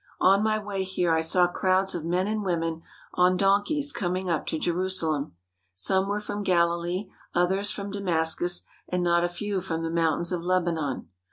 On my way here I saw crowds of men and women on donkeys coming up to Jerusalem. Some were from Galilee, others from Damascus, and not a few from the mountains of Lebanon.